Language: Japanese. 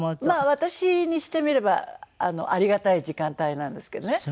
まあ私にしてみればありがたい時間帯なんですけどね。